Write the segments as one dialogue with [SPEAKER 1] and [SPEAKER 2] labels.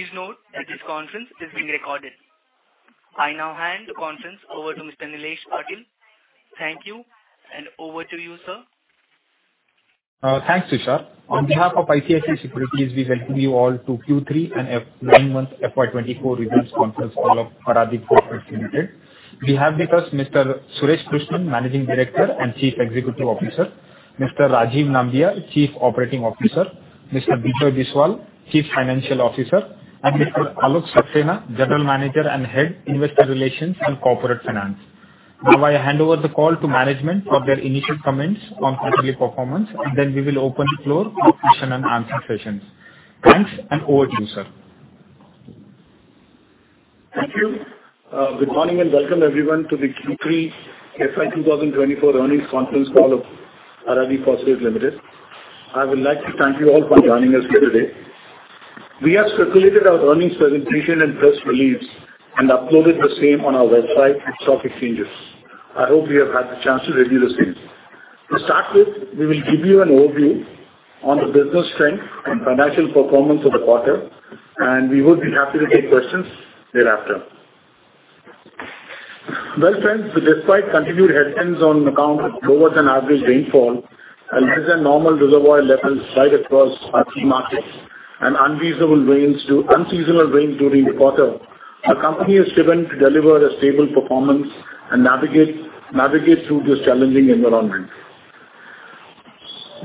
[SPEAKER 1] Please note that this conference is being recorded. I now hand the conference over to Mr. Nilesh Patil. Thank you, and over to you, sir.
[SPEAKER 2] Thanks, Ishar. On behalf of ICICI Securities, we welcome you all to Q3 and 9-month FY2024 results conference call of Paradeep Phosphates Limited. We have with us Mr. Suresh Krishnan, Managing Director and Chief Executive Officer, Mr. Rajiv Nambiar, Chief Operating Officer, Mr. Bijoy Biswal, Chief Financial Officer, and Mr. Alok Saxena, General Manager and Head, Investor Relations and Corporate Finance. Now I hand over the call to management for their initial comments on quarterly performance, and then we will open the floor for question-and-answer sessions. Thanks, and over to you, sir.
[SPEAKER 3] Thank you. Good morning and welcome everyone to the Q3 FY2024 earnings conference call of Paradeep Phosphates Limited. I would like to thank you all for joining us here today. We have circulated our earnings presentation and press releases and uploaded the same on our website and stock exchanges. I hope you have had the chance to review the same. To start with, we will give you an overview on the business strength and financial performance of the quarter, and we would be happy to take questions thereafter. Well, friends, despite continued headwinds on account of lower-than-average rainfall and less-than-normal reservoir levels spread across our key markets and unseasonal rains during the quarter, the company is driven to deliver a stable performance and navigate through this challenging environment.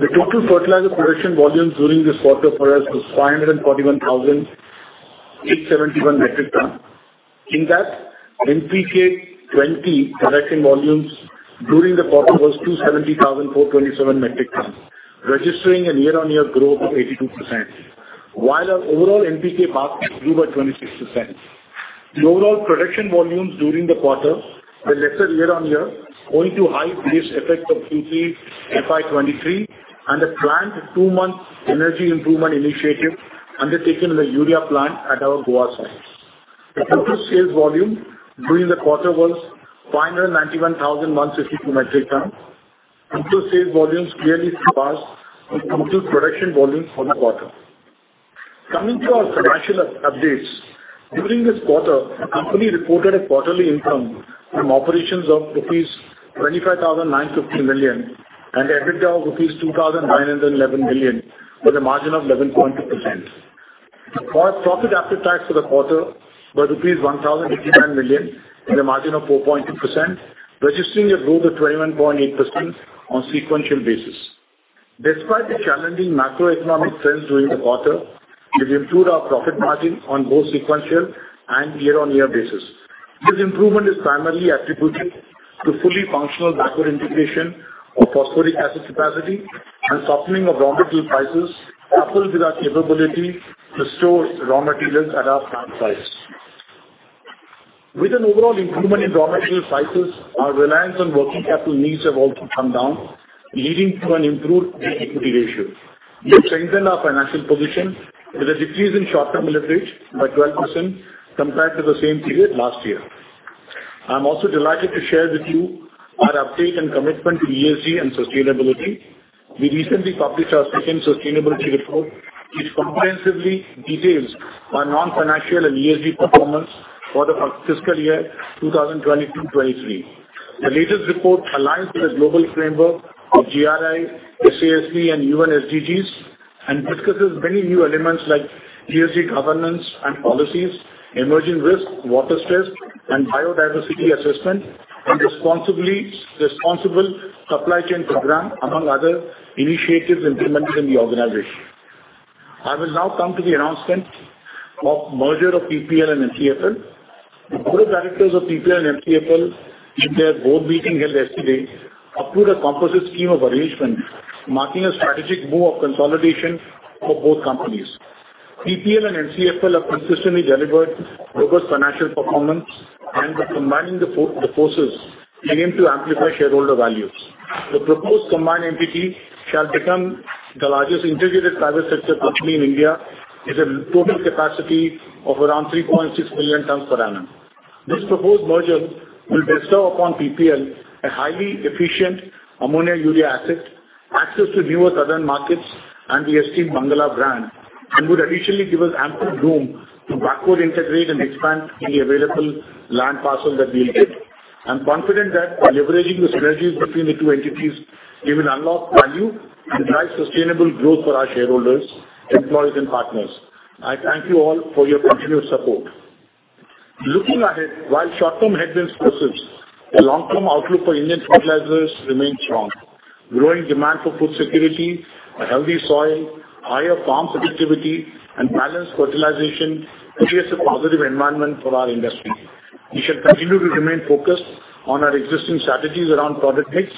[SPEAKER 3] The total fertilizer production volumes during this quarter for us was 541,871 metric tons. In that, NPK-20 production volumes during the quarter was 270,427 metric tons, registering a year-on-year growth of 82%, while our overall NPK grew by 26%. The overall production volumes during the quarter were lesser year-on-year, owing to high base effects of Q3 FY2023 and the planned two-month energy improvement initiative undertaken in the urea plant at our Goa site. The total sales volume during the quarter was 591,152 metric tons. Total sales volumes clearly surpassed the total production volumes for the quarter. Coming to our financial updates, during this quarter, the company reported a quarterly income from operations of INR 25,950 million and EBITDA of INR 2,911 million with a margin of 11.2%. Our profit after tax for the quarter was rupees 1,059 million with a margin of 4.2%, registering a growth of 21.8% on a sequential basis. Despite the challenging macroeconomic trends during the quarter, we've improved our profit margin on both sequential and year-over-year basis. This improvement is primarily attributed to fully functional backward integration of phosphoric acid capacity and softening of raw material prices coupled with our capability to store raw materials at our plant sites. With an overall improvement in raw material prices, our reliance on working capital needs has also come down, leading to an improved equity ratio. We've strengthened our financial position with a decrease in short-term leverage by 12% compared to the same period last year. I'm also delighted to share with you our update and commitment to ESG and sustainability. We recently published our second sustainability report, which comprehensively details our non-financial and ESG performance for the fiscal year 2022-2023. The latest report aligns with the global framework of GRI, SASB, and UN SDGs and discusses many new elements like ESG governance and policies, emerging risk, water stress, and biodiversity assessment, and responsible supply chain program, among other initiatives implemented in the organization. I will now come to the announcement of merger of PPL and MCFL. The board of directors of PPL and MCFL, in their board meeting held yesterday, approved a composite scheme of arrangements, marking a strategic move of consolidation for both companies. PPL and MCFL have consistently delivered robust financial performance, and by combining the forces, they aim to amplify shareholder values. The proposed combined entity shall become the largest integrated private sector company in India with a total capacity of around 3.6 million tons per annum. This proposed merger will bestow upon PPL a highly efficient ammonia-urea asset, access to newer southern markets, and the esteemed Mangala brand, and would additionally give us ample room to backward integrate and expand in the available land parcels that we'll get. I'm confident that leveraging the synergies between the two entities will unlock value and drive sustainable growth for our shareholders, employees, and partners. I thank you all for your continued support. Looking ahead, while short-term headwinds persist, the long-term outlook for Indian fertilizers remains strong. Growing demand for food security, a healthy soil, higher farm productivity, and balanced fertilization create a positive environment for our industry. We shall continue to remain focused on our existing strategies around product mix,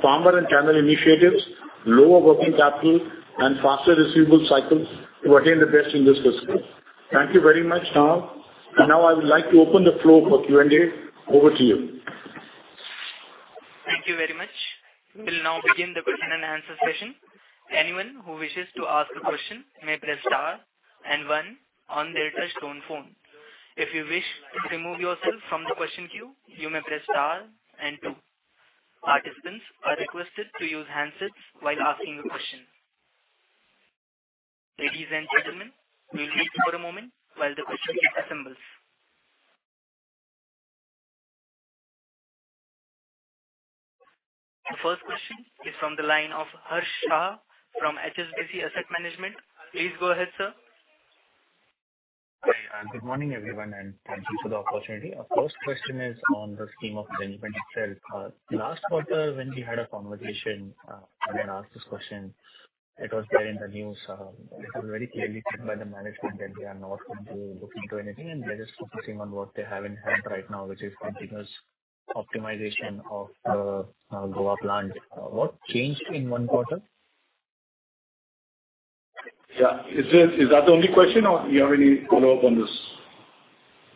[SPEAKER 3] farmer and channel initiatives, lower working capital, and faster receivable cycles to attain the best in this fiscal. Thank you very much. Now I would like to open the floor for Q&A. Over to you.
[SPEAKER 1] Thank you very much. We will now begin the question-and-answer session. Anyone who wishes to ask a question may press star and one on their touch-tone phone. If you wish to remove yourself from the question queue, you may press star and two. Participants are requested to use handsets while asking a question. Ladies and gentlemen, we'll wait for a moment while the question queue assembles. The first question is from the line of Harsh Shah from HSBC Asset Management. Please go ahead, sir.
[SPEAKER 4] Hi. Good morning, everyone, and thank you for the opportunity. Our first question is on the scheme of arrangement itself. Last quarter, when we had a conversation and asked this question, it was there in the news. It was very clearly said by the management that they are not looking into anything, and they're just focusing on what they have in hand right now, which is continuous optimization of the Goa plant. What changed in one quarter?
[SPEAKER 3] Yeah. Is that the only question, or do you have any follow-up on this?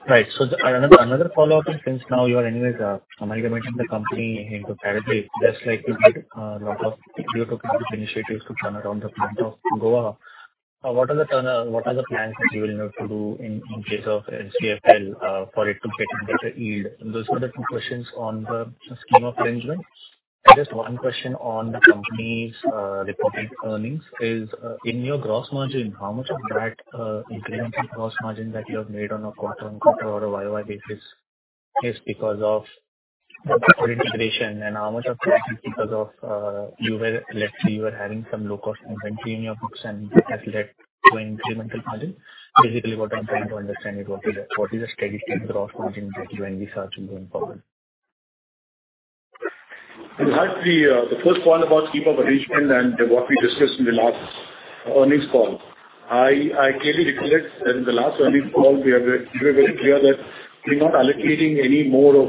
[SPEAKER 4] Right. So another follow-up is, since now you are anyways amalgamating the company into Paradeep. There's likely to be a lot of retrofit initiatives to turn around the plant of Goa. What are the plans that you will need to do in case of MCFL for it to get a better yield? Those are the two questions on the scheme of arrangement. And just one question on the company's reported earnings is, in your gross margin, how much of that incremental gross margin that you have made on a quarter-over-quarter or a Y-O-Y basis is because of integration, and how much of that is because of, let's say, you were having some low-cost inventory in your books and has led to an incremental margin? Basically, what I'm trying to understand is, what is a steady gross margin that you and we start to going forward?
[SPEAKER 3] It was actually the first point about scheme of arrangement and what we discussed in the last earnings call. I clearly recollect that in the last earnings call, we were very clear that we're not allocating any more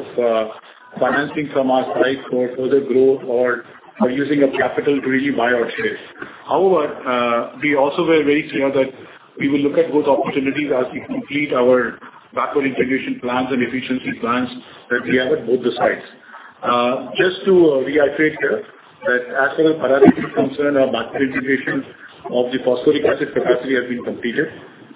[SPEAKER 3] of financing from our side for further growth or using capital to really buy our shares. However, we also were very clear that we will look at both opportunities as we complete our backward integration plans and efficiency plans that we have at both the sites. Just to reiterate here, that as far as Paradeep is concerned, our backward integration of the phosphoric acid capacity has been completed.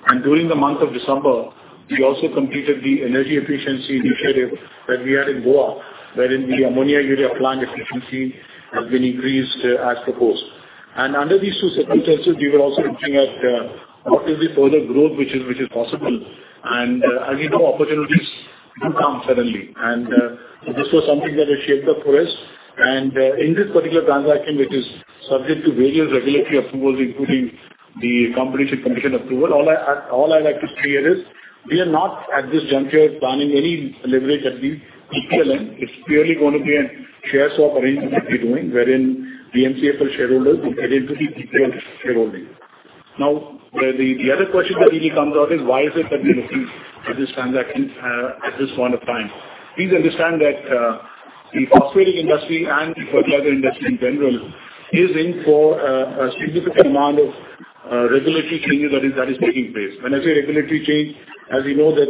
[SPEAKER 3] And during the month of December, we also completed the energy efficiency initiative that we had in Goa, wherein the ammonia-urea plant efficiency has been increased as proposed. Under these two circumstances, we were also looking at what is the further growth which is possible. As you know, opportunities do come suddenly. This was something that was shaped up for us. In this particular transaction, which is subject to various regulatory approvals, including the Competition Commission approval, all I'd like to say here is, we are not at this juncture planning any leverage at the PPL end. It's purely going to be a share swap arrangement that we're doing, wherein the MCFL shareholders will get into the PPL shareholding. Now, the other question that really comes out is, why is it that we're looking at this transaction at this point of time? Please understand that the phosphoric industry and the fertilizer industry in general is in for a significant amount of regulatory change that is taking place. When I say regulatory change, as you know, there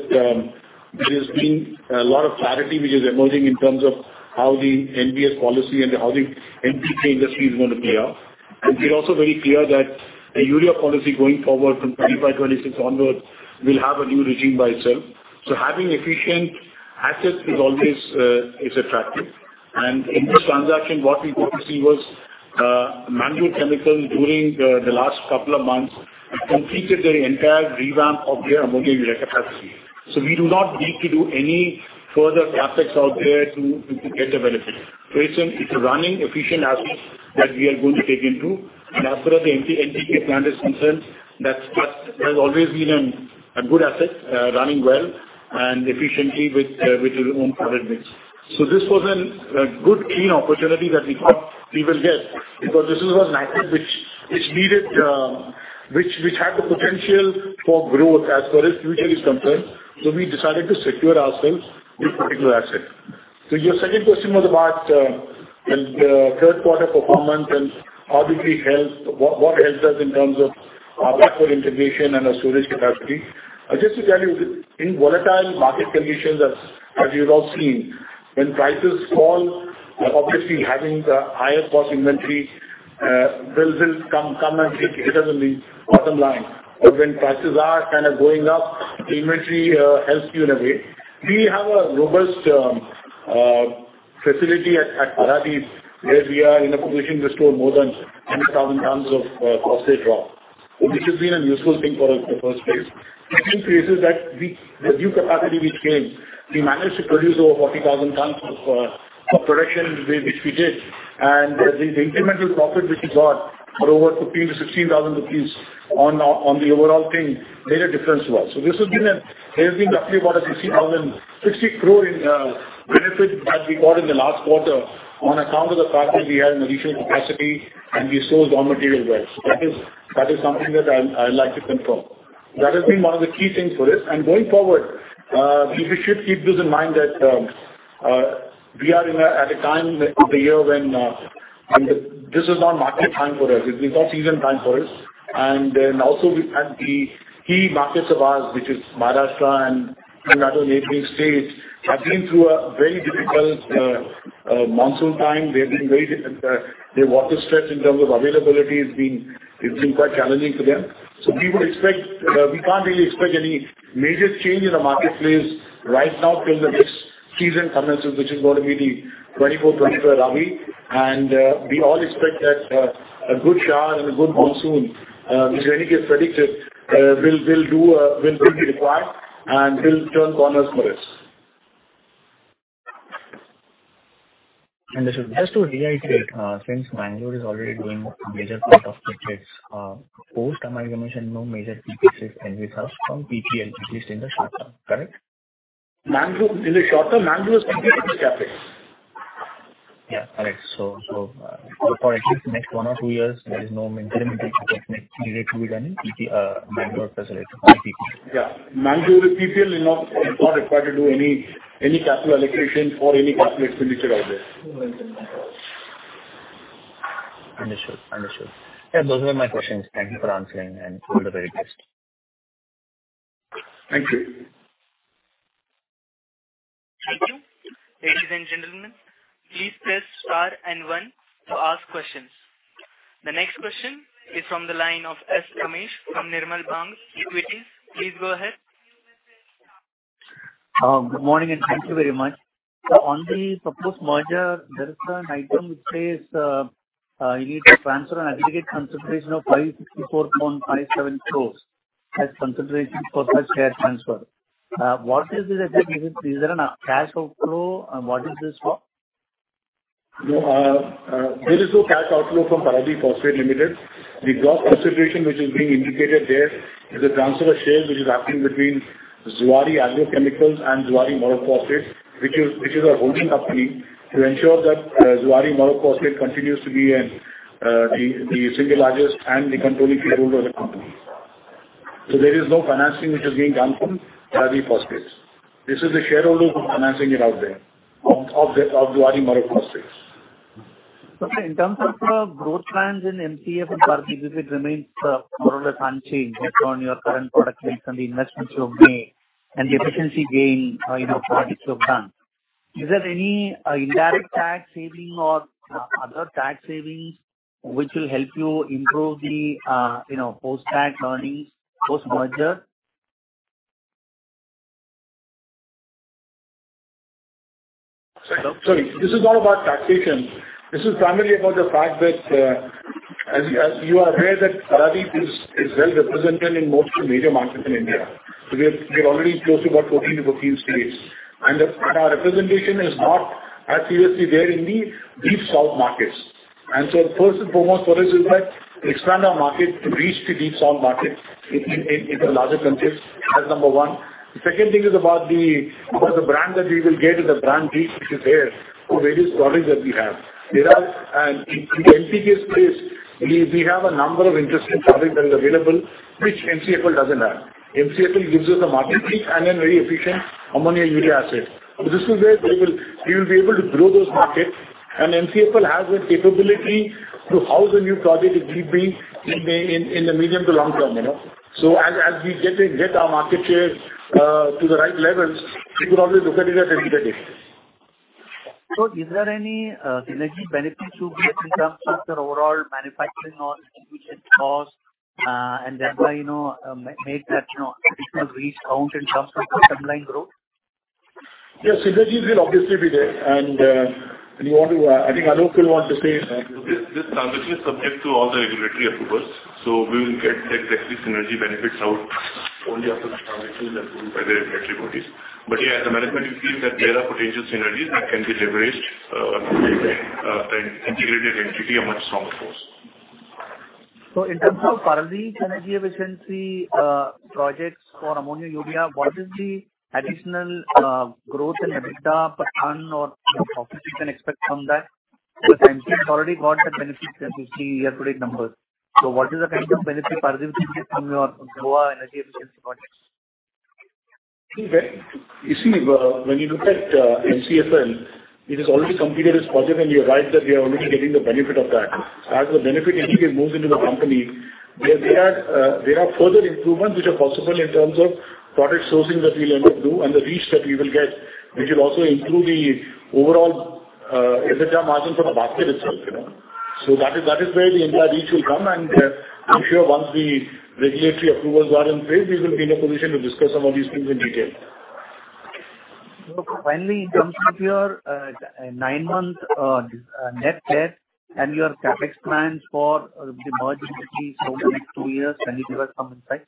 [SPEAKER 3] has been a lot of clarity which is emerging in terms of how the NBS policy and how the NPK industry is going to play out. And it's also very clear that the urea policy going forward from 2025-26 onwards will have a new regime by itself. So having efficient assets is attractive. And in this transaction, what we did see was MCFL, during the last couple of months, completed their entire revamp of their ammonia-urea capacity. So we do not need to do any further CapEx out there to get the benefit. So it's a running, efficient asset that we are going to take into. And as far as the NPK plant is concerned, that has always been a good asset, running well and efficiently with its own product mix. So this was a good, clean opportunity that we thought we will get because this was an asset which had the potential for growth as far as future is concerned. So we decided to secure ourselves this particular asset. So your second question was about the third-quarter performance and obviously what helped us in terms of our backward integration and our storage capacity. Just to tell you, in volatile market conditions, as you've all seen, when prices fall, obviously, having higher-cost inventory will come and take hits on the bottom line. But when prices are kind of going up, the inventory helps you in a way. We have a robust facility at Paradeep where we are in a position to store more than 100,000 tons of raw phosphate, which has been a useful thing for us in the first place. In two cases, the new capacity which came, we managed to produce over 40,000 tons of production which we did. The incremental profit which we got for over 15,000-16,000 rupees on the overall thing made a difference to us. There's been roughly about a 60 crore in benefit that we got in the last quarter on account of the fact that we had an additional capacity and we stored raw material well. That is something that I'd like to confirm. That has been one of the key things for us. Going forward, we should keep this in mind that we are at a time of the year when this is not market time for us. It's not season time for us. Also, the key markets of ours, which is Maharashtra and another neighboring state, have been through a very difficult monsoon time. There being very severe water stress in terms of availability has been quite challenging for them. So we can't really expect any major change in the marketplace right now till the next season commences, which is going to be the 2024-25 Rabi. And we all expect that a good shower and a good monsoon, which in any case is predicted, will be required and will turn corners for us.
[SPEAKER 4] Understood. Just to reiterate, since Mangalore is already doing a major part of its ops, am I going to mention no major capex and results from PPL, at least in the short term, correct?
[SPEAKER 3] In the short term, Mangalore is completely separate.
[SPEAKER 4] Yeah. Correct. So for at least the next one or two years, there is no incremental needed to be done in Mangalore as far as PPL.
[SPEAKER 3] Yeah. Mangalore with PPL is not required to do any capital allocation for any capital expenditure out there.
[SPEAKER 4] Understood. Understood. Yeah. Those were my questions. Thank you for answering, and you were the very best.
[SPEAKER 3] Thank you.
[SPEAKER 1] Thank you. Ladies and gentlemen, please press star and one to ask questions. The next question is from the line of S. Ramesh from Nirmal Bang Equities. Please go ahead.
[SPEAKER 5] Good morning and thank you very much. On the proposed merger, there is an item which says you need to transfer an aggregate consideration of 564.57 crores as consideration for such share transfer. What is this exactly? Is there a cash outflow, and what is this for?
[SPEAKER 3] There is no cash outflow from Paradeep Phosphates Limited. The gross consideration which is being indicated there is a transfer of shares which is happening between Zuari Agro Chemicals and Zuari Maroc Phosphates, which is our holding company, to ensure that Zuari Maroc Phosphates continues to be the single largest and the controlling shareholder of the company. So there is no financing which is being done from Paradeep Phosphates. This is the shareholders who are financing it out there of Zuari Maroc Phosphates.
[SPEAKER 5] Okay. In terms of growth plans in MCFL and Paradeep, it remains more or less unchanged based on your current product mix and the investments you have made and the efficiency gain in what products you have done. Is there any indirect tax saving or other tax savings which will help you improve the post-tax earnings post-merger?
[SPEAKER 3] Sorry. This is not about taxation. This is primarily about the fact that you are aware that Paradeep is well represented in most of the major markets in India. So we're already close to about 14-15 states. And our representation is not as seriously there in the deep south markets. And so first and foremost for us is that expand our market to reach the deep south market in the larger countries, that's number one. The second thing is about the brand that we will get is a brand reach which is there for various products that we have. In the NPK space, we have a number of interesting products that are available which MCFL doesn't have. MCFL gives us a market reach and then very efficient ammonia-urea asset. So this is where we will be able to grow those markets. MCFL has the capability to house a new project at DAP in the medium to long term. As we get our market share to the right levels, we could always look at it at the end of the day.
[SPEAKER 5] Is there any synergy benefits to this in terms of the overall manufacturing or distribution cost and thereby make that additional reach count in terms of the underlying growth?
[SPEAKER 3] Yes. Synergies will obviously be there. And you want to, I think, Alok will want to say.
[SPEAKER 6] This transaction is subject to all the regulatory approvals. So we will get exactly synergy benefits out only after the transaction is approved by the regulatory bodies. But yeah, as a management, we feel that there are potential synergies that can be leveraged and integrated into a much stronger force.
[SPEAKER 5] So in terms of Paradeep energy efficiency projects for ammonia-urea, what is the additional growth and additional return or profit you can expect from that? Because MCFL already got the benefits and we see year-to-date numbers. So what is the kind of benefit Paradeep will see from your Goa energy efficiency projects?
[SPEAKER 3] Okay. You see, when you look at MCFL, it has already completed its project, and you're right that we are already getting the benefit of that. As the benefit integrates more into the company, there are further improvements which are possible in terms of product sourcing that we'll end up doing and the reach that we will get, which will also improve the overall margin for the basket itself. So that is where the entire reach will come. And I'm sure once the regulatory approvals are in place, we will be in a position to discuss some of these things in detail.
[SPEAKER 5] Finally, in terms of your nine-month net debt and your CapEx plans for the mergers between the next two years, can you give us some insight?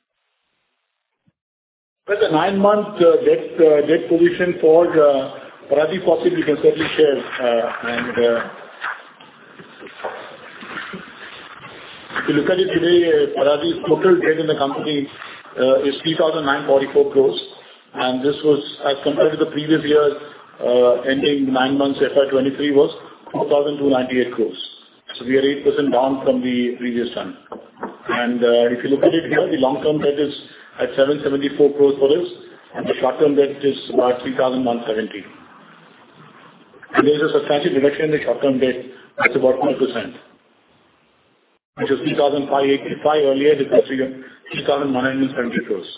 [SPEAKER 3] Well, the nine-month debt position for Paradeep Phosphates, we can certainly share. If you look at it today, Paradeep's total debt in the company is 3,944 crores. As compared to the previous year ending nine months, FY2023 was 2,298 crores. So we are 8% down from the previous time. If you look at it here, the long-term debt is at 774 crores for us, and the short-term debt is about 3,170 crores. There is a substantial reduction in the short-term debt that's about 1%, which was 3,585 crores earlier. This is 3,170 crores.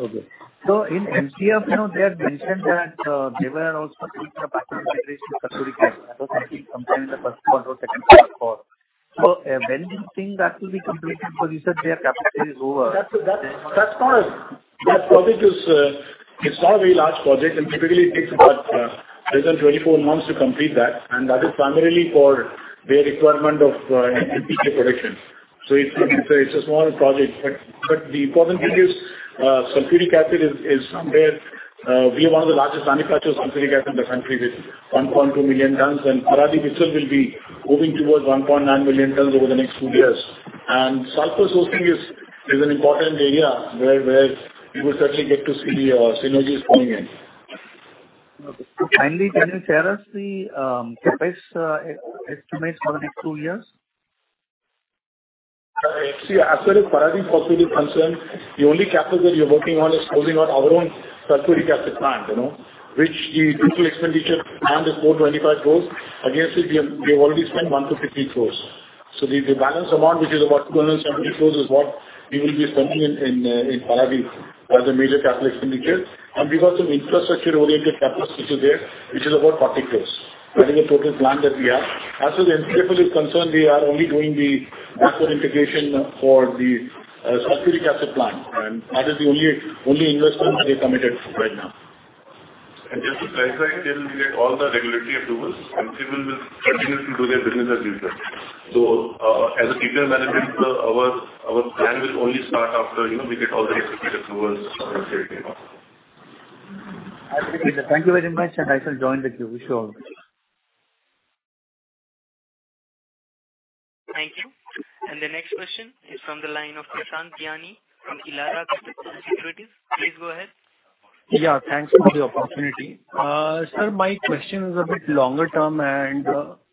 [SPEAKER 5] Okay. So in MCFL, they had mentioned that they were also making a backward integration to sulphuric acid. That was mentioned sometime in the first quarter, second quarter, fourth. So when do you think that will be completed? Because you said their capex is over.
[SPEAKER 3] That's not. That project is. It's not a very large project, and typically, it takes about less than 24 months to complete that. And that is primarily for their requirement of NPK production. So it's a small project. But the important thing is sulphuric acid is somewhere we are one of the largest manufacturers of sulphuric acid in the country with 1.2 million tons. And Paradeep itself will be moving towards 1.9 million tons over the next two years. And sulfur sourcing is an important area where we will certainly get to see synergies going in.
[SPEAKER 5] Okay. Finally, can you share us the Capex estimates for the next two years?
[SPEAKER 3] See, as far as Paradeep Phosphates is concerned, the only CapEx that we are working on is closing out our own sulphuric acid plant. Which the total expenditure plant is 425 crore. Against it, we have already spent 150 crore. So the balance amount, which is about 270 crore, is what we will be spending in Paradeep as a major capital expenditure. And we've got some infrastructure-oriented CapEx which is there, which is about 40 crore. That is a total plan that we have. As for the MCFL is concerned, we are only doing the backward integration for the sulphuric acid plant. And that is the only investment that they committed right now.
[SPEAKER 6] Just to clarify, till we get all the regulatory approvals, MCFL will continue to do their business as usual. As a detailed management, our plan will only start after we get all the extensive approvals from MCFL.
[SPEAKER 5] Thank you very much. I shall join the queue. We shall.
[SPEAKER 1] Thank you. The next question is from the line of Kishan Giani from Elara Capital. Please go ahead.
[SPEAKER 7] Yeah. Thanks for the opportunity. Sir, my question is a bit longer term and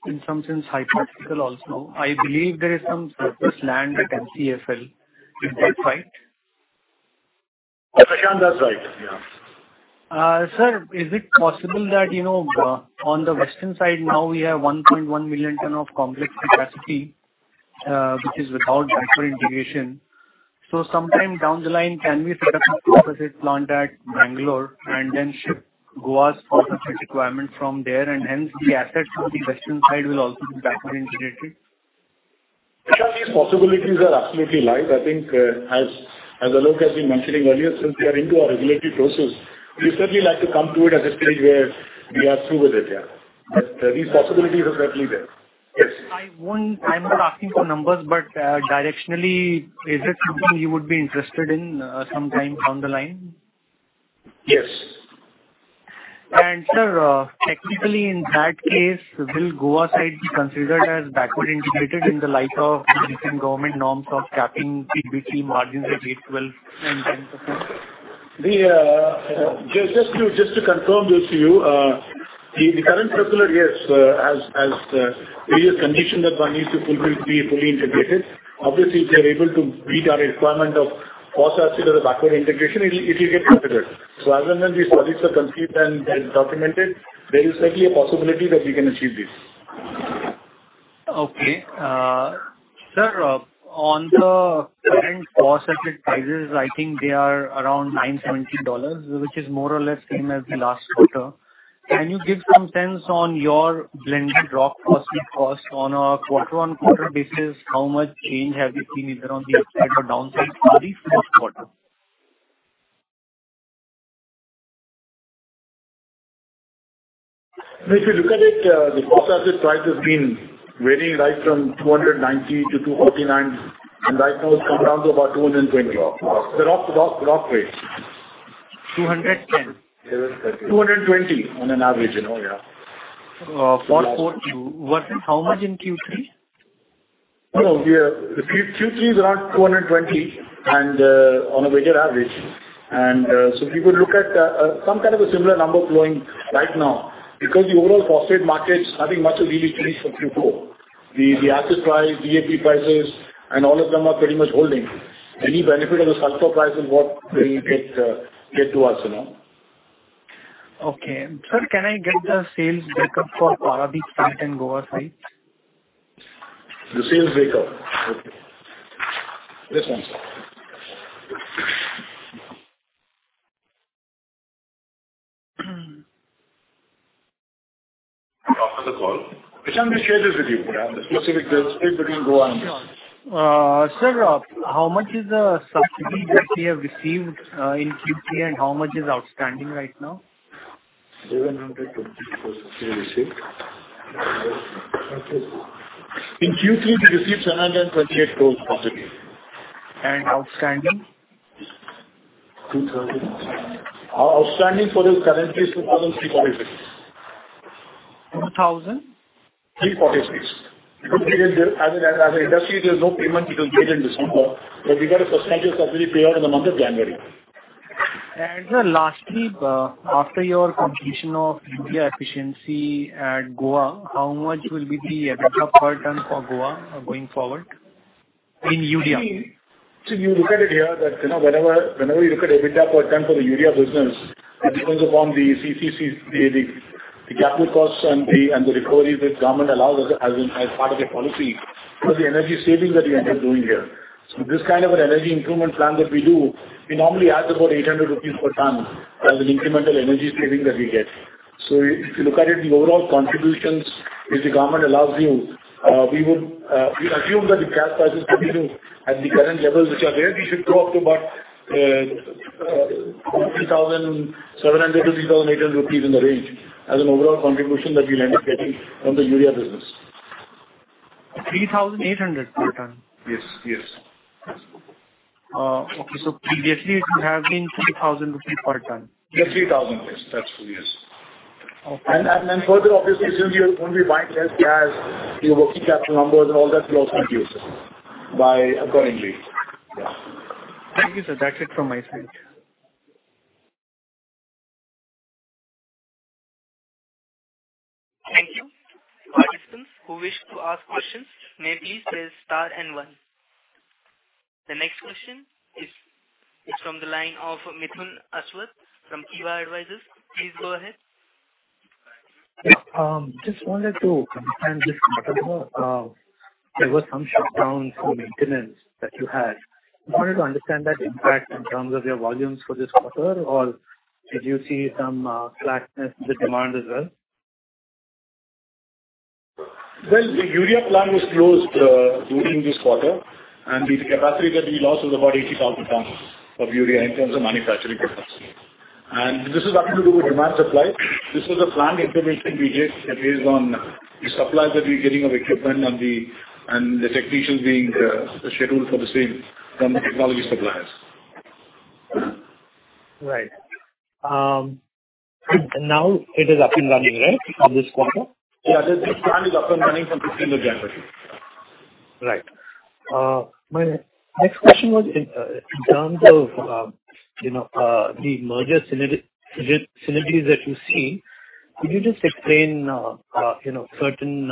[SPEAKER 7] in some sense hypothetical also. I believe there is some surplus land at MCFL. Is that right?
[SPEAKER 3] Kishan, that's right. Yeah.
[SPEAKER 7] Sir, is it possible that on the western side now, we have 1.1 million tons of complex capacity which is without backward integration? So sometime down the line, can we set up a composite plant at Mangalore and then ship Goa's complex requirement from there? And hence, the assets from the western side will also be backward integrated?
[SPEAKER 3] Kishan, these possibilities are absolutely live. I think as Alok has been mentioning earlier, since we are into our regulatory process, we certainly like to come to it at a stage where we are through with it. Yeah. But these possibilities are certainly there. Yes.
[SPEAKER 7] I'm not asking for numbers, but directionally, is it something you would be interested in sometime down the line?
[SPEAKER 3] Yes.
[SPEAKER 7] Sir, technically, in that case, will Goa side be considered as backward integrated in the light of recent government norms of capping PBT margins at 8%, 12%, and 10%?
[SPEAKER 3] Just to confirm this to you, the current circular, yes, has the previous condition that one needs to be fully integrated. Obviously, if they are able to meet our requirement of phosphoric acid as a backward integration, it will get considered. So as and when these projects are complete and documented, there is certainly a possibility that we can achieve this.
[SPEAKER 7] Okay. Sir, on the current phosphoric acid prices, I think they are around $970, which is more or less same as the last quarter. Can you give some sense on your blended rock phosphate cost on a quarter-over-quarter basis? How much change have you seen either on the upside or downside for the first quarter?
[SPEAKER 3] If you look at it, the phosphoric acid price has been varying right from $290-$249. Right now, it's come down to about $220 rock. The rock rate.
[SPEAKER 7] 210.
[SPEAKER 3] 220 on an average. Oh, yeah.
[SPEAKER 7] How much in Q3?
[SPEAKER 3] No. Q3 is around 220 on a weighted average. And so if you would look at some kind of a similar number flowing right now, because the overall fossil market, nothing much has really changed from Q4. The asset price, VAP prices, and all of them are pretty much holding. Any benefit of the sulfur price is what they get to us.
[SPEAKER 7] Okay. Sir, can I get the sales breakup for Paradeep's plant in Goa site?
[SPEAKER 3] The sales breakup? Okay. This one.
[SPEAKER 6] After the call.
[SPEAKER 3] Kishan, we shared this with you. The specific bills, please begin Goa and this.
[SPEAKER 7] Sir, how much is the subsidy that we have received in Q3, and how much is outstanding right now?
[SPEAKER 3] 750 crore we received. In Q3, we received 728 crore subsidy.
[SPEAKER 7] And outstanding?
[SPEAKER 3] 2,000. Outstanding for us currently is 2,346.
[SPEAKER 7] 2,000?
[SPEAKER 3] As an industry, there's no payment because we paid in December. But we got a percentage of subsidy paid out in the month of January.
[SPEAKER 7] Sir, lastly, after your completion of urea efficiency at Goa, how much will be the EBITDA per ton for Goa going forward in urea?
[SPEAKER 3] See, if you look at it here, that whenever you look at EBITDA per ton for the urea business, it depends upon the gap with costs and the recovery that government allows as part of the policy for the energy savings that you end up doing here. So this kind of an energy improvement plan that we do, we normally add about 800 rupees per ton as an incremental energy saving that we get. So if you look at it, the overall contributions if the government allows you, we assume that the gas prices continue at the current levels which are there, we should go up to about 2,700-2,800 rupees in the range as an overall contribution that we'll end up getting from the urea business.
[SPEAKER 7] 3,800 per ton?
[SPEAKER 3] Yes. Yes.
[SPEAKER 7] Okay. Previously, it would have been 3,000 rupees per ton?
[SPEAKER 3] Yes, 3,000 rupees. Yes. That's true. Yes. And then further, obviously, since when we buy less gas, your working capital numbers and all that will also be used accordingly. Yeah.
[SPEAKER 7] Thank you, sir. That's it from my side.
[SPEAKER 1] Thank you. Participants who wish to ask questions may please press star and one. The next question is from the line of Mithun Aswath from Kivah Advisors. Please go ahead.
[SPEAKER 8] Just wanted to understand this quarter as well. There were some shutdowns for maintenance that you had. I wanted to understand that impact in terms of your volumes for this quarter, or did you see some slackness in the demand as well?
[SPEAKER 3] Well, the urea plant was closed during this quarter. The capacity that we lost was about 80,000 tons of urea in terms of manufacturing capacity. This is nothing to do with demand supply. This was a planned intervention we did based on the supply that we were getting of equipment and the technicians being scheduled for the same from the technology suppliers.
[SPEAKER 8] Right. And now it is up and running, right, for this quarter?
[SPEAKER 3] Yeah. This plant is up and running from 15th of January.
[SPEAKER 8] Right. My next question was in terms of the merger synergies that you see. Could you just explain certain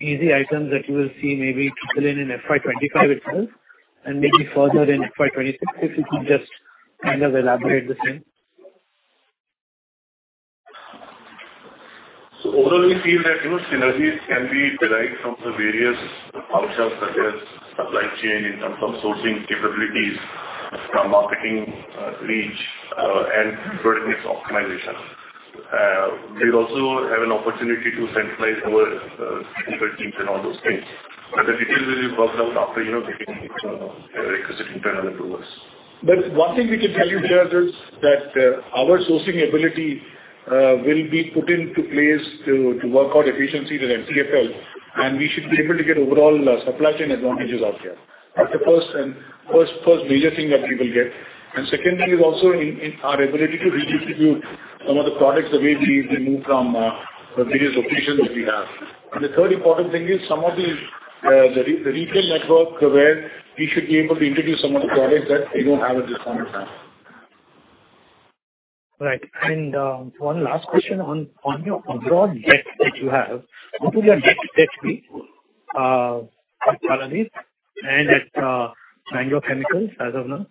[SPEAKER 8] easy items that you will see maybe trickle in in FY2025 itself and maybe further in FY2026 if you could just kind of elaborate the same?
[SPEAKER 6] Overall, we feel that synergies can be derived from the various outcomes such as supply chain in terms of sourcing capabilities, marketing reach, and convertedness optimization. We also have an opportunity to centralize our internal teams and all those things. The details will be worked out after getting requisite internal approvals.
[SPEAKER 3] One thing we can tell you, sir, is that our sourcing ability will be put into place to work out efficiency with MCFL, and we should be able to get overall supply chain advantages out there. That's the first major thing that we will get. Secondly is also in our ability to redistribute some of the products the way we move from the various locations that we have. The third important thing is some of the retail network where we should be able to introduce some of the products that we don't have at this point in time.
[SPEAKER 8] Right. And one last question on your overall debt that you have. What will your net debt be at Paradeep and at Mangalore Chemicals as of now?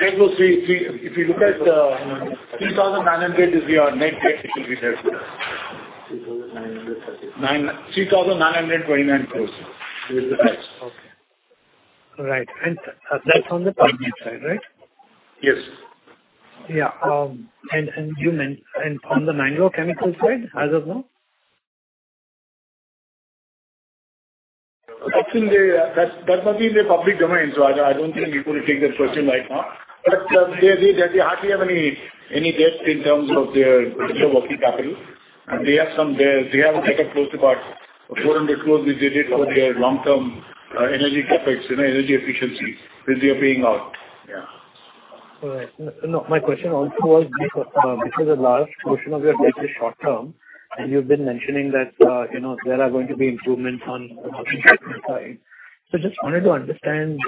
[SPEAKER 3] If you look at 3,900 is our net debt, it will be there for us.
[SPEAKER 8] 3,939.
[SPEAKER 3] 3,929 crores.
[SPEAKER 8] Okay. Right. And that's on the Paradeep side, right?
[SPEAKER 3] Yes.
[SPEAKER 8] Yeah. And on the Mangalore Chemicals side as of now?
[SPEAKER 3] That might be in their public domain, so I don't think we're going to take that question right now. But they hardly have any debt in terms of their working capital. And they have some debt. They have a debt of close to about 400 crore which they did for their long-term energy CapEx, energy efficiency which they are paying out. Yeah.
[SPEAKER 8] Right. My question also was because a large portion of your debt is short-term, and you've been mentioning that there are going to be improvements on the market cap side. So I just wanted to understand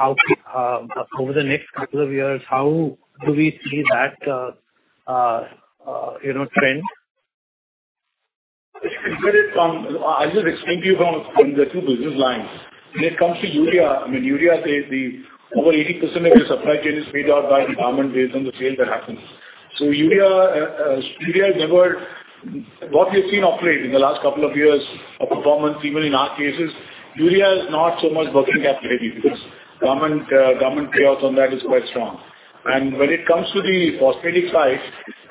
[SPEAKER 8] over the next couple of years, how do we see that trend?
[SPEAKER 3] I'll just explain to you from the two business lines. When it comes to urea, I mean, urea, over 80% of your supply chain is paid out by the government based on the sale that happens. So urea has never what we have seen operate in the last couple of years of performance, even in our cases, urea is not so much working capital ready because government payouts on that is quite strong. And when it comes to the phosphatic side,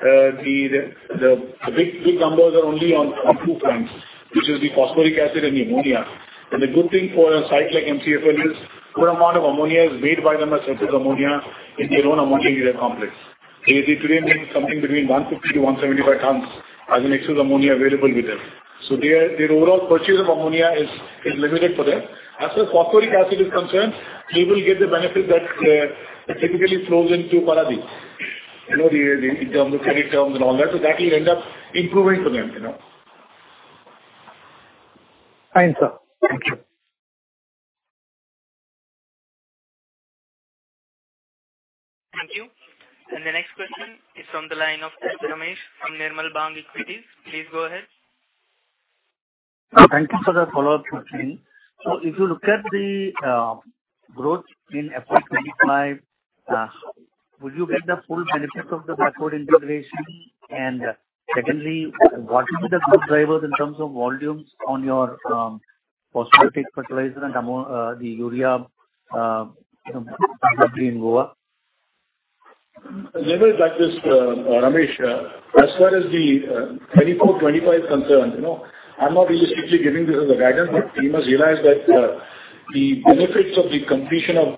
[SPEAKER 3] the big numbers are only on two fronts, which is the phosphoric acid and the ammonia. And the good thing for a site like MCFL is good amount of ammonia is made by them as excess ammonia in their own ammonia complex. They today make something between 150-175 tons as an excess ammonia available with them. So their overall purchase of ammonia is limited for them. As for phosphoric acid is concerned, they will get the benefit that typically flows into Paradeep in terms of credit terms and all that. So that will end up improving for them.
[SPEAKER 8] Fine, sir. Thank you.
[SPEAKER 1] Thank you. The next question is from the line of S. Ramesh from Nirmal Bang Equities. Please go ahead.
[SPEAKER 5] Thank you for the follow-up question. So if you look at the growth in FY2025, would you get the full benefits of the backward integration? And secondly, what will be the growth drivers in terms of volumes on your phosphoric acid fertilizer and the urea in Goa?
[SPEAKER 3] Let me address Ramesh. As far as the 2024/25 concerned, I'm not really strictly giving this as a guidance. But team has realized that the benefits of the completion of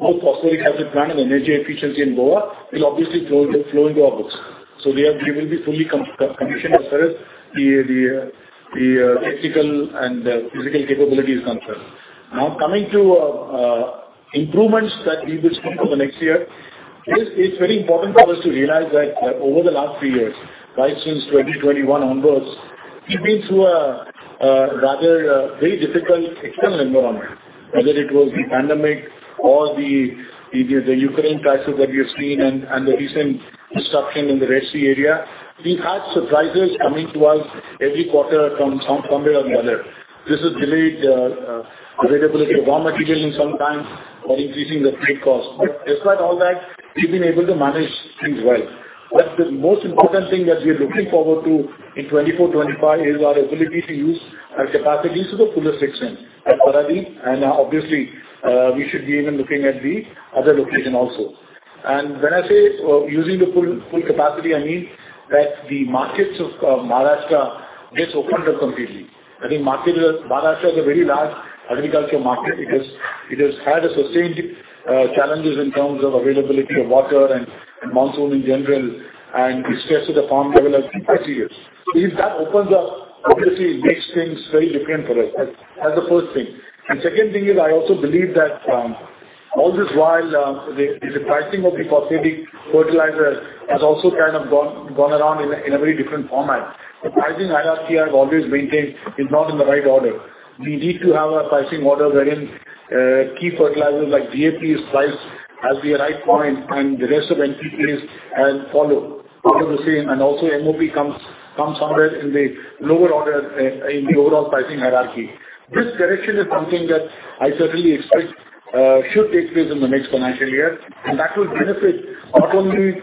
[SPEAKER 3] both phosphoric acid plant and energy efficiency in Goa will obviously flow into our books. So they will be fully completion as far as the technical and physical capabilities concerned. Now, coming to improvements that we will see for the next year, it's very important for us to realize that over the last three years, right since 2021 onwards, we've been through a rather very difficult external environment, whether it was the pandemic or the Ukraine crisis that we have seen and the recent disruption in the Red Sea area. We've had surprises coming to us every quarter from some way or another. This has delayed availability of raw material in some time or increasing the trade costs. But despite all that, we've been able to manage things well. But the most important thing that we are looking forward to in 2024/25 is our ability to use our capacities to the fullest extent at Paradeep. And obviously, we should be even looking at the other location also. And when I say using the full capacity, I mean that the markets of Maharashtra gets opened up completely. I think Maharashtra is a very large agricultural market. It has had sustained challenges in terms of availability of water and monsoon in general, and it's stressed at a farm level quite serious. So if that opens up, obviously, it makes things very different for us. That's the first thing. And second thing is I also believe that all this while, the pricing of the phosphatic fertilizer has also kind of gone around in a very different format. The pricing hierarchy I've always maintained is not in the right order. We need to have a pricing order wherein key fertilizers like VAP is priced at the right point, and the rest of NPPs follow the same. Also MOP comes somewhere in the lower order in the overall pricing hierarchy. This direction is something that I certainly expect should take place in the next financial year. That will benefit not only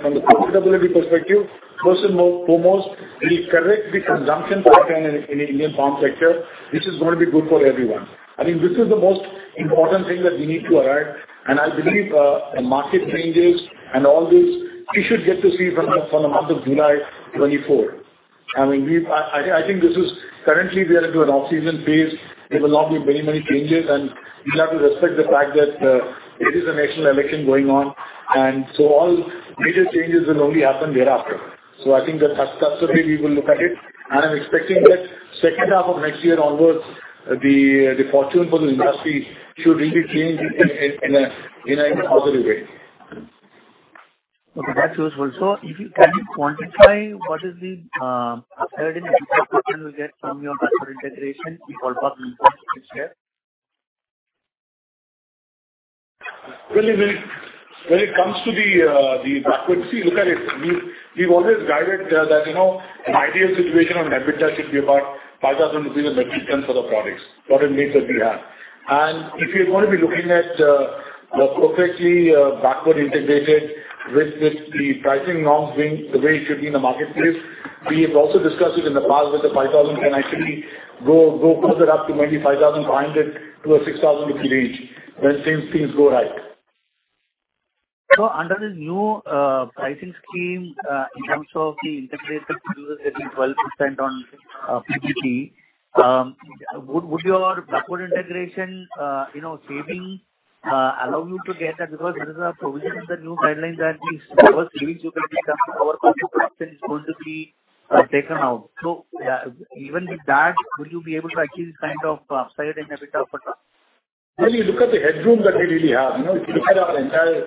[SPEAKER 3] from the profitability perspective. First and foremost, it will correct the consumption pattern in the Indian farm sector, which is going to be good for everyone. I mean, this is the most important thing that we need to arrive. I believe the market changes and all this, we should get to see from the month of July 2024. I mean, I think this is currently, we are into an off-season phase. There will not be very many changes. We have to respect the fact that it is a national election going on. So all major changes will only happen thereafter. I think that's the way we will look at it. I'm expecting that second half of next year onwards, the fortune for the industry should really change in a positive way.
[SPEAKER 5] Okay. That's useful. So can you quantify what is the third and fourth question we'll get from your backward integration in follow-up meetings next year?
[SPEAKER 3] Well, when it comes to the backward integration, look at it. We've always guided that an ideal situation on EBITDA should be about 5,000 rupees a metric ton for the products, whatever metrics we have. And if you're going to be looking at the perfectly backward integrated with the pricing norms being the way it should be in the marketplace, we have also discussed it in the past that the 5,000 can actually go further up to maybe 5,500-6,000 rupee range when things go right.
[SPEAKER 5] So under this new pricing scheme in terms of the integrated producers getting 12% on PPL, would your backward integration savings allow you to get that? Because there is a provision in the new guideline that the first savings from your cost of production is going to be taken out. So even with that, would you be able to achieve this kind of upside in EBITDA for?
[SPEAKER 3] Well, if you look at the headroom that we really have, if you look at our entire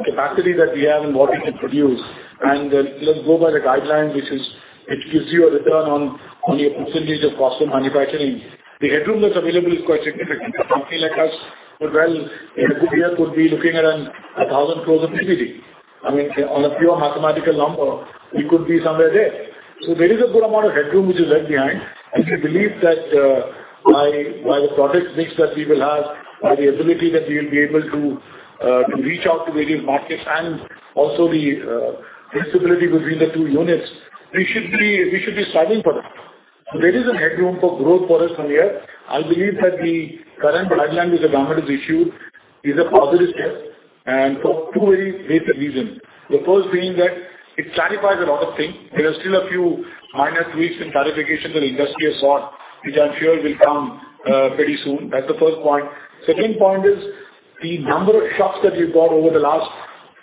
[SPEAKER 3] capacity that we have and what we can produce, and let's go by the guideline, which gives you a return on your percentage of cost of manufacturing, the headroom that's available is quite significant. A company like us would, well, in a good year, could be looking at 1,000 crores of PBT. I mean, on a pure mathematical number, we could be somewhere there. So there is a good amount of headroom which is left behind. And we believe that by the product mix that we will have, by the ability that we will be able to reach out to various markets, and also the flexibility between the two units, we should be striving for that. So there is a headroom for growth for us from here. I believe that the current guideline which the government has issued is a positive step for two very basic reasons. The first being that it clarifies a lot of things. There are still a few minor tweaks and clarifications that the industry has sought, which I'm sure will come pretty soon. That's the first point. Second point is the number of shocks that we've got over the last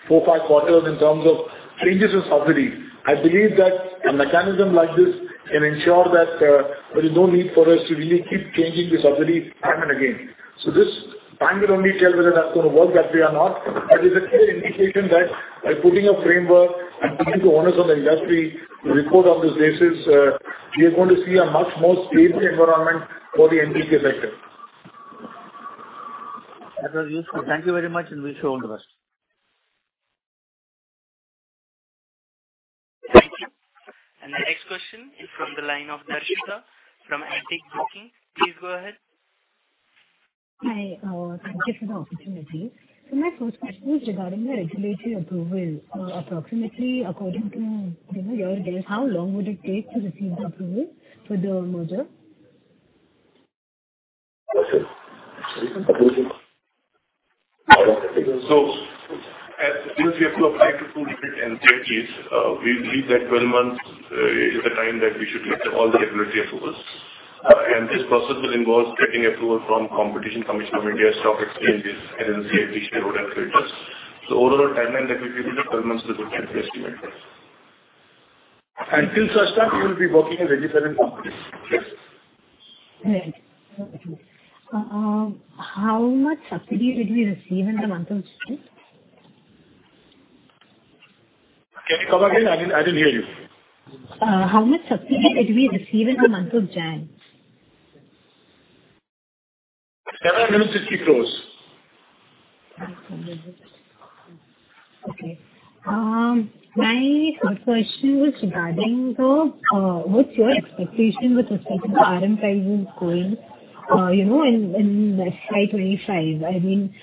[SPEAKER 3] 4, 5 quarters in terms of changes in subsidies. I believe that a mechanism like this can ensure that there is no need for us to really keep changing the subsidy time and again. So this time will only tell whether that's going to work that way or not. It's a clear indication that by putting a framework and putting the owners of the industry to report on this basis, we are going to see a much more stable environment for the NPP sector.
[SPEAKER 5] That was useful. Thank you very much, and wish you all the best.
[SPEAKER 1] Thank you. And the next question is from the line of Darshita from Antique Stock Broking. Please go ahead.
[SPEAKER 9] Hi. Thank you for the opportunity. My first question is regarding the regulatory approval. Approximately, according to your guess, how long would it take to receive the approval for the merger?
[SPEAKER 6] Since we have to apply to two different NCLTs, we believe that 12 months is the time that we should get all the regulatory approvals. This process will involve getting approval from Competition Commission of India, Stock Exchanges, NCLT, shareholders and creditors. Overall, a timeline that we can give is 12 months is a good estimate.
[SPEAKER 3] Till such time, we will be working in a different company. Yes.
[SPEAKER 9] How much subsidy did we receive in the month of June?
[SPEAKER 3] Can you come again? I didn't hear you.
[SPEAKER 9] How much subsidy did we receive in the month of January?
[SPEAKER 3] 760 crores.
[SPEAKER 9] Okay. My question was regarding what's your expectation with respect to RM prices going in FY2025? I mean,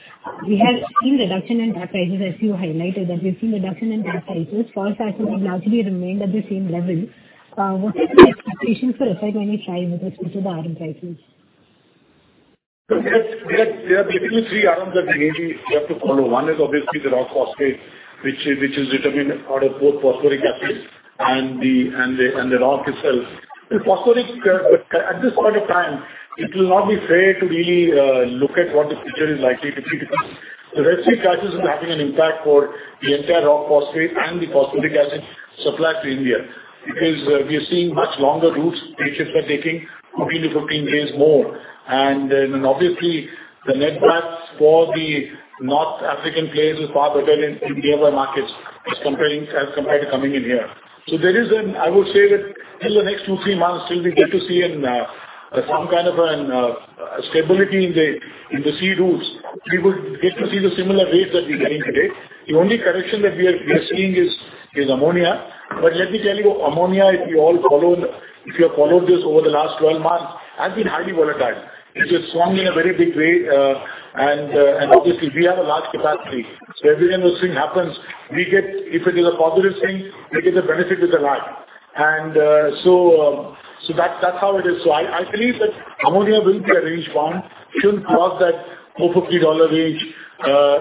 [SPEAKER 9] we have seen reduction in rock prices, as you highlighted, that we've seen reduction in rock prices. Phosphatic has largely remained at the same level. What's your expectation for FY2025 with respect to the RM prices?
[SPEAKER 3] There are basically three RMs that we maybe have to follow. One is obviously the rock phosphate, which is determined out of both phosphoric acid and the rock itself. At this point of time, it will not be fair to really look at what the future is likely to be. The Red Sea prices will be having an impact for the entire rock phosphate and the phosphoric acid supply to India because we are seeing much longer routes. Day trips are taking 14-15 days more. And then obviously, the net worth for the North African players is far better than Indian markets as compared to coming in here. So I would say that till the next 2-3 months, till we get to see some kind of stability in the sea routes, we will get to see the similar rates that we're getting today. The only correction that we are seeing is ammonia. But let me tell you, ammonia, if you have followed this over the last 12 months, has been highly volatile. It has swung in a very big way. And obviously, we have a large capacity. So every time those things happen, if it is a positive thing, we get the benefit with the large. And so that's how it is. So I believe that ammonia will be range bound, shouldn't cross that $450 range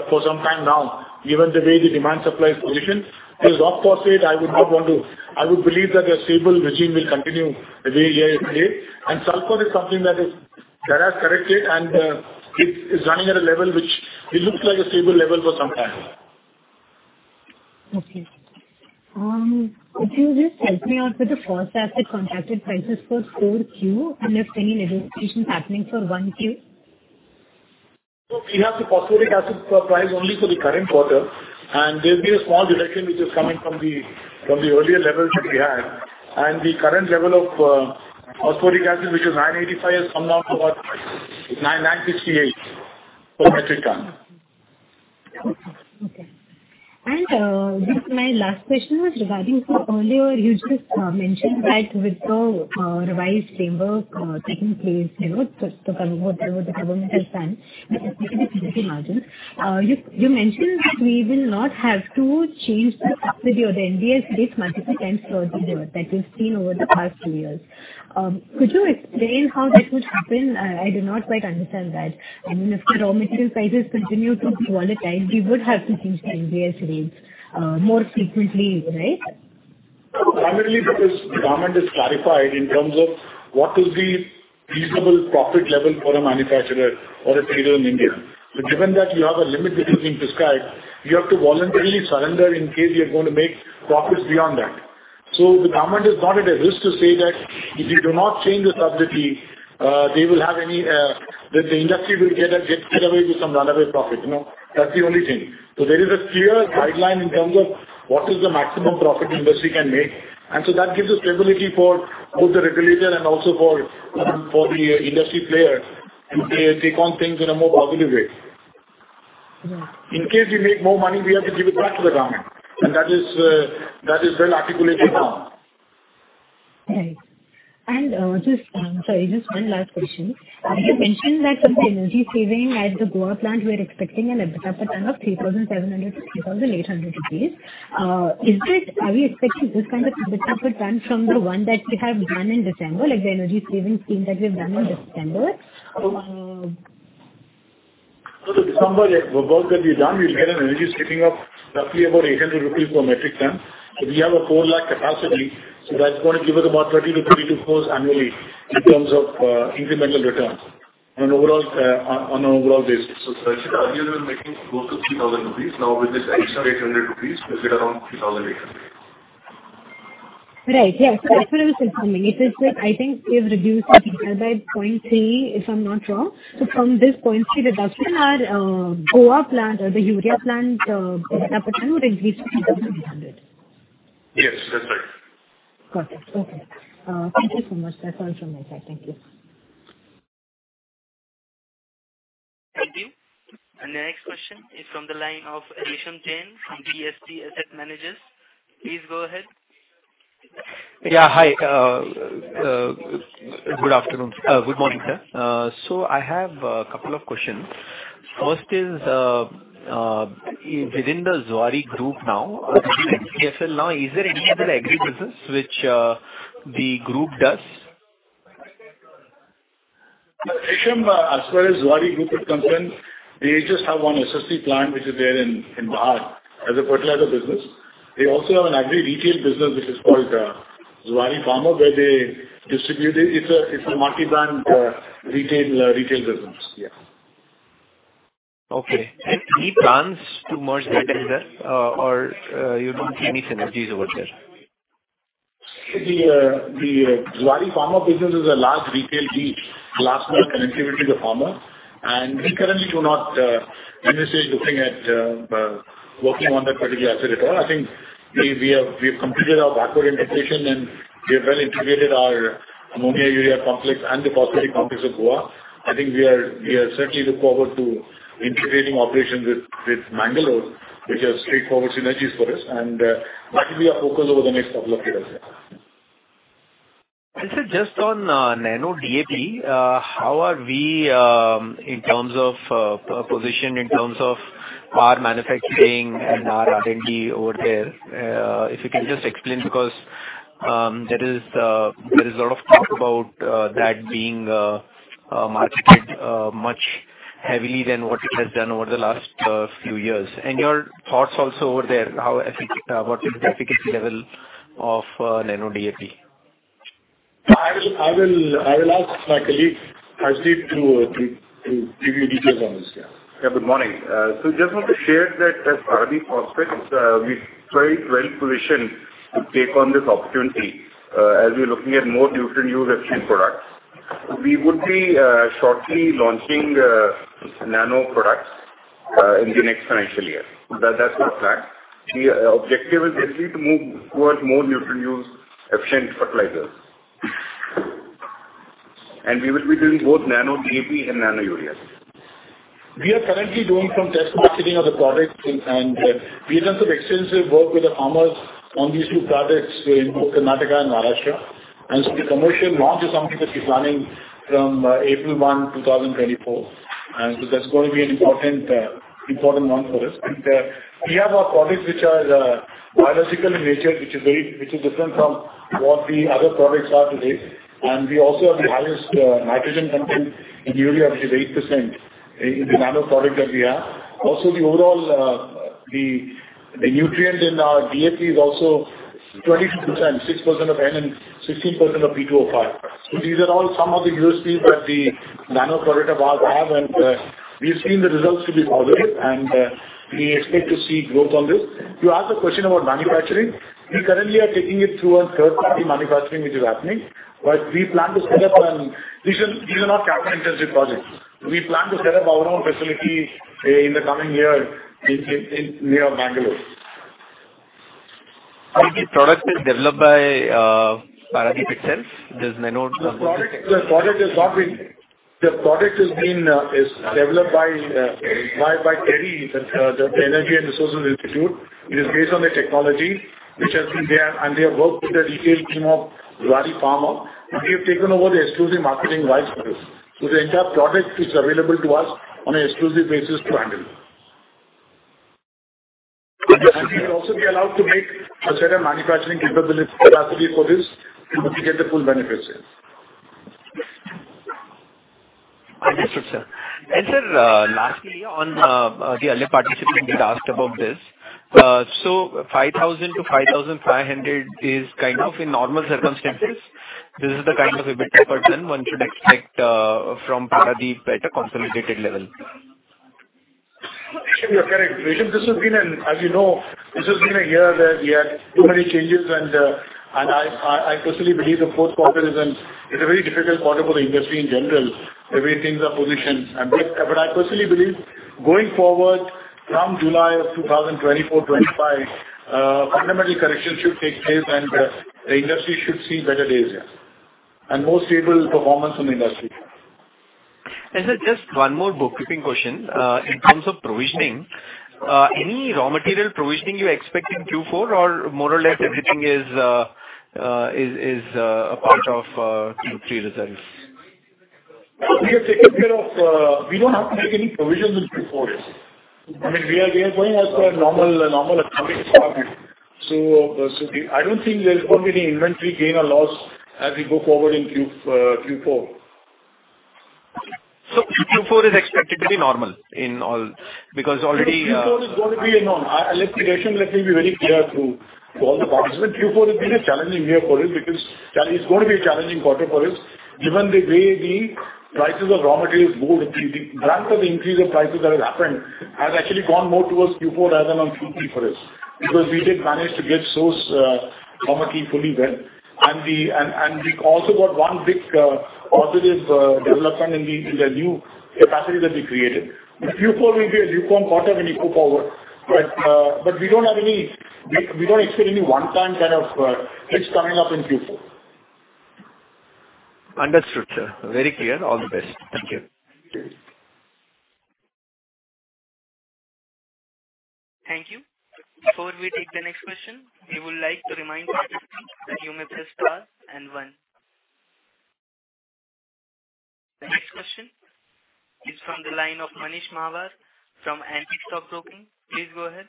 [SPEAKER 3] for some time now, given the way the demand-supply is positioned. The rock phosphate, I would believe that a stable regime will continue the way it is today. And sulfur is something that has corrected and is running at a level which it looks like a stable level for some time.
[SPEAKER 9] Okay. Could you just help me out with the phosphatic contracted prices for 4Q and if any negotiations happening for 1Q?
[SPEAKER 3] We have the phosphoric acid price only for the current quarter. There's been a small direction which is coming from the earlier levels that we had. The current level of phosphoric acid, which is $985, has come down to about $968 per metric ton.
[SPEAKER 9] Okay. And my last question was regarding earlier, you just mentioned that with the revised framework taking place, what the government has done, with the specific margins, you mentioned that we will not have to change the subsidy or the NBS rates multiple times per year that we've seen over the past two years. Could you explain how that would happen? I do not quite understand that. I mean, if the raw material prices continue to be volatile, we would have to change the NBS rates more frequently, right?
[SPEAKER 3] Primarily because the government has clarified in terms of what is the reasonable profit level for a manufacturer or a trader in India. So given that you have a limit which is being prescribed, you have to voluntarily surrender in case you're going to make profits beyond that. So the government is not at a risk to say that if you do not change the subsidy, they will have any that the industry will get away with some runaway profit. That's the only thing. So there is a clear guideline in terms of what is the maximum profit the industry can make. And so that gives us stability for both the regulator and also for the industry player to take on things in a more positive way. In case we make more money, we have to give it back to the government. And that is well articulated now.
[SPEAKER 9] Okay. Sorry, just one last question. You mentioned that from the energy saving at the Goa plant, we are expecting an EBITDA per ton of 3,700-3,800 rupees. Are we expecting this kind of EBITDA per ton from the one that we have done in December, like the energy savings scheme that we have done in December?
[SPEAKER 3] The December work that we have done, we've got an energy saving of roughly about 800 rupees per metric ton. We have a 4-lakh capacity. That's going to give us about 30 crore-32 crore annually in terms of incremental return on an overall basis. Darshita, earlier, you were making close to INR 3,000. Now with this additional 800 rupees, we'll get around 3,800.
[SPEAKER 9] Right. Yes. That's what I was informing. I think we have reduced the Gcal by 0.3, if I'm not wrong. So from this 0.3 reduction, our Goa plant or the Urea plant EBITDA per ton would increase to INR 3,800.
[SPEAKER 3] Yes. That's right.
[SPEAKER 9] Got it. Okay. Thank you so much. That's all from my side. Thank you.
[SPEAKER 1] Thank you. The next question is from the line of Resham Jain from DSP Asset Managers. Please go ahead.
[SPEAKER 10] Yeah. Hi. Good afternoon. Good morning, sir. So I have a couple of questions. First is within the Zuari Group now, the MCFL now, is there any other agribusiness which the group does?
[SPEAKER 3] Resham, as far as Zuari Group is concerned, they just have one SSP plant which is there in Bihar as a fertilizer business. They also have an agri-retail business which is called Zuari FarmHub where they distribute; it's a multi-brand retail business. Yeah.
[SPEAKER 10] Okay. Any plans to merge that as well? Or you don't see any synergies over there?
[SPEAKER 3] The Zuari FarmHub business is a large retail base, grassroots connectivity to the farmer. We currently do not, in this case, looking at working on that particular asset at all. I think we have completed our backward integration, and we have well integrated our ammonia-urea complex and the phosphate complex of Goa. I think we certainly look forward to integrating operations with Mangalore, which has straightforward synergies for us. That will be our focus over the next couple of years.
[SPEAKER 10] Resham, just on NanoDAP, how are we in terms of position in terms of our manufacturing and our R&D over there? If you can just explain because there is a lot of talk about that being marketed much heavily than what it has done over the last few years. And your thoughts also over there, what is the efficacy level of NanoDAP?
[SPEAKER 3] I will ask my colleague, Harshdeep, to give you details on this. Yeah.
[SPEAKER 11] Yeah. Good morning. So I just want to share that as Paradeep Phosphates, we're very well positioned to take on this opportunity as we're looking at more nutrient use efficient products. We would be shortly launching nano products in the next financial year. That's our plan. The objective is basically to move towards more nutrient use efficient fertilizers. And we will be doing both NanoDAP and Nano Urea.
[SPEAKER 3] We are currently doing some test marketing of the products. We have done some extensive work with the farmers on these two products in both Karnataka and Maharashtra. The commercial launch is something that we're planning from April 1st, 2024. That's going to be an important one for us. We have our products which are biological in nature, which is different from what the other products are today. We also have the highest nitrogen content in urea, which is 8% in the nano product that we have. Also, the overall nutrient in our DAP is also 22%, 6% of N and 16% of P2O5. So these are all some of the USPs that the nano product of ours have. We've seen the results to be positive, and we expect to see growth on this. You asked a question about manufacturing. We currently are taking it through a third-party manufacturing which is happening. But we plan to set up and these are not capital-intensive projects. We plan to set up our own facility in the coming year near Mangalore.
[SPEAKER 10] So the product is developed by Paradeep itself? The Nano?
[SPEAKER 3] The product has been developed by TERI, the Energy and Resources Institute. It is based on the technology which has been there, and they have worked with the retail team of Zuari FarmHub. We have taken over the exclusive marketing rights for this. So the entire product is available to us on an exclusive basis to handle. We will also be allowed to make a set of manufacturing capability capacity for this to get the full benefits here.
[SPEAKER 10] I understood, sir. Resham, lastly, on the other participants that asked about this, so 5,000-5,500 is kind of in normal circumstances, this is the kind of EBITDA per ton one should expect from Paradeep at a consolidated level.
[SPEAKER 3] Resham, you're correct. Resham, this has been, as you know, this has been a year where we had too many changes. I personally believe the fourth quarter is a very difficult quarter for the industry in general. Everything's up position. But I personally believe going forward from July of 2024, 2025, fundamental corrections should take place, and the industry should see better days, yeah, and more stable performance from the industry.
[SPEAKER 10] Suresh, just one more bookkeeping question. In terms of provisioning, any raw material provisioning you expect in Q4, or more or less everything is a part of Q3 reserves?
[SPEAKER 3] We have taken care of. We don't have to make any provisions in Q4, yes. I mean, we are going as per a normal accounting department. So I don't think there's going to be any inventory gain or loss as we go forward in Q4.
[SPEAKER 10] Q4 is expected to be normal because already.
[SPEAKER 3] Q4 is going to be a norm. Resham, let me be very clear to all the participants. Q4 has been a challenging year for us because it's going to be a challenging quarter for us given the way the prices of raw materials go with the brunt of the increase of prices that has happened has actually gone more towards Q4 rather than on Q3 for us because we did manage to get sourced raw materials fully well. And we also got one big positive development in the new capacity that we created. Q4 will be a lukewarm quarter when you go forward. But we don't expect any one-time kind of hits coming up in Q4.
[SPEAKER 10] Understood, sir. Very clear. All the best. Thank you.
[SPEAKER 1] Thank you. Before we take the next question, we would like to remind participants that you may press star and one. The next question is from the line of Manish Mahawar from Antique Stock Broking. Please go ahead.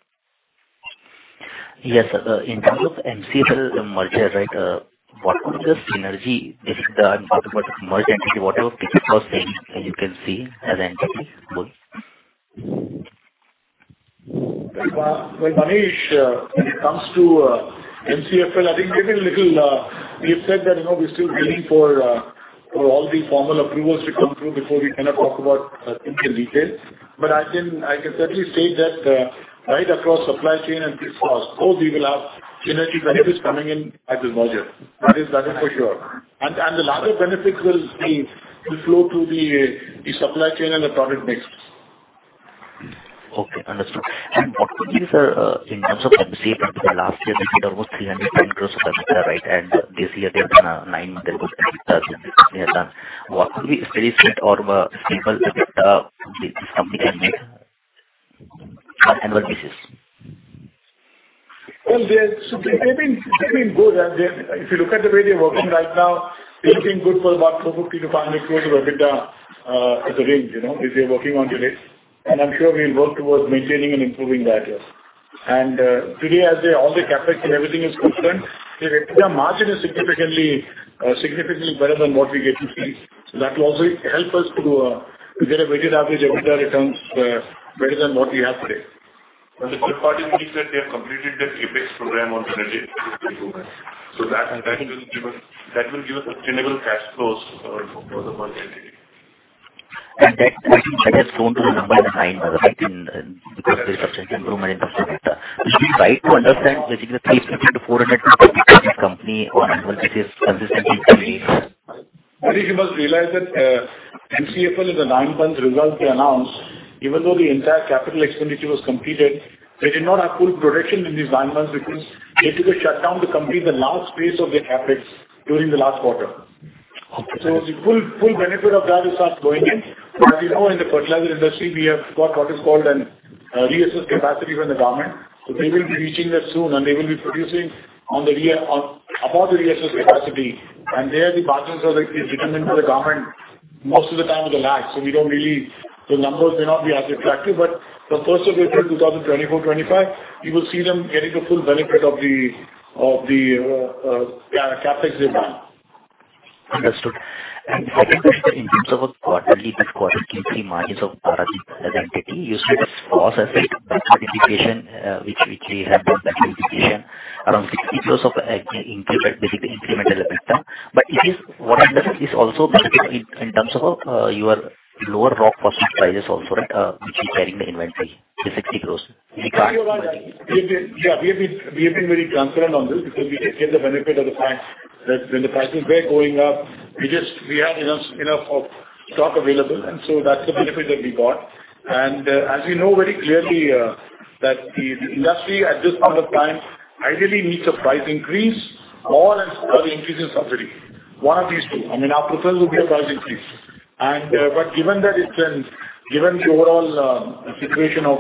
[SPEAKER 12] Yes. In terms of MCFL merger, right, what comes first? Synergy? I'm talking about merged entity, whatever P2P was saying, and you can see as an entity, boom.
[SPEAKER 3] Well, Manish, when it comes to MCFL, I think maybe a little we have said that we're still waiting for all the formal approvals to come through before we cannot talk about things in detail. But I can certainly state that right across supply chain and P2P cost, both we will have synergy benefits coming in at this merger. That is for sure. And the larger benefits will flow through the supply chain and the product mix.
[SPEAKER 12] Okay. Understood. And what could be, in terms of MCFL, for the last year, they did almost 310 crores of EBITDA, right? And this year, they have done a 9-month and good EBITDA than they have done. What could be a steady state or stable EBITDA this company can make on an annual basis?
[SPEAKER 3] Well, they've been good. If you look at the way they're working right now, they're looking good for about 450-500 crores of EBITDA as a range that they're working on today. I'm sure we'll work towards maintaining and improving that, yes. Today, as all the CapEx and everything is concerned, their EBITDA margin is significantly better than what we get to see. So that will also help us to get a weighted average EBITDA returns better than what we have today. The third part means that they have completed their capex program on synergic improvement. So that will give us sustainable cash flows for the merged entity.
[SPEAKER 12] That has gone to the number 9, by the way, because there's substantial improvement in terms of EBITDA. Should we try to understand, basically, the 350-400 gross EBITDA this company on annual basis consistently to be?
[SPEAKER 3] Resham must realize that MCFL is a 9-month result they announced. Even though the entire capital expenditure was completed, they did not have full production in these 9 months because they took a shutdown to complete the last phase of their CapEx during the last quarter. So the full benefit of that is not going in. But as you know, in the fertilizer industry, we have got what is called a reassessed capacity from the government. So they will be reaching that soon, and they will be producing above the reassessed capacity. And there, the margins are determined by the government most of the time with the lag. So the numbers may not be as reflective. But from 1st of April 2024-2025, you will see them getting the full benefit of the CapEx they've done.
[SPEAKER 12] Understood. Second question, in terms of quarterly, this quarter Q3 margins of Paradeep as an entity, you said it's phosphoric acid backward integration, which we have done backward integration, around 60 crore of basically incremental EBITDA. But what I understand is also in terms of your lower rock phosphate prices also, right, which you're carrying the inventory, the 60 crore. We can't.
[SPEAKER 3] Yeah. We have been very transparent on this because we took care of the benefit of the fact that when the prices were going up, we had enough of stock available. And so that's the benefit that we got. And as we know very clearly that the industry at this point of time ideally needs a price increase or an increase in subsidy, one of these two. I mean, our preference would be a price increase. But given that it's given the overall situation of